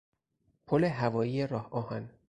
پل هوایی راه آهن